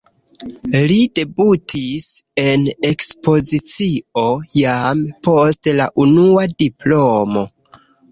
Li debutis en ekspozicio jam post la unua diplomo.